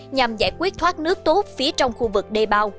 nhằm giải quyết thoát nước tốt phía trong khu vực đê bao